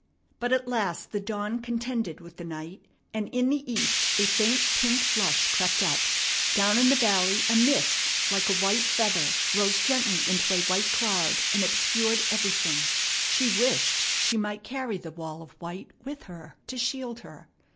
But at last the dawn contended with the night, and in the east a faint pink flush crept up. Down in the valley a mist like a white feather rose gently into a white cloud, and obscured everything. She wished she might carry the wall of white with her to shield her.